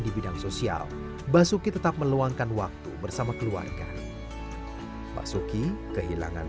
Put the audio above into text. di bidang sosial basuki tetap meluangkan waktu bersama keluarga basuki kehilangan